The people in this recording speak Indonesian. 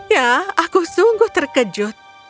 ya aku sungguh terkejut